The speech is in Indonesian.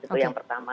itu yang pertama